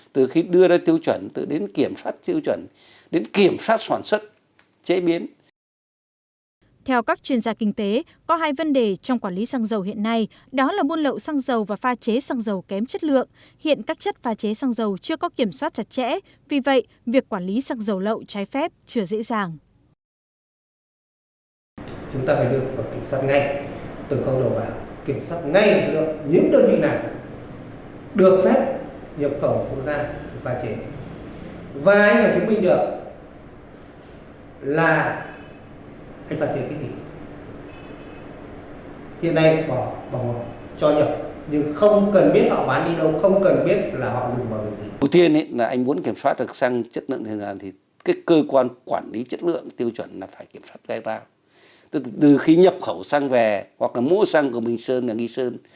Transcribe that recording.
từ khi nhập khẩu xăng về hoặc là mua xăng của mình sơn là nghi sơn